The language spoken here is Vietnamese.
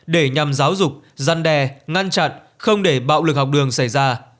để nhằm giáo dục giăn đè ngăn chặn không để bạo lực học đường xảy ra